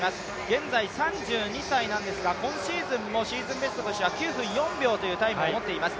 現在３２歳なんですが今シーズンもシーズンベストして９分４秒というタイムを持っています。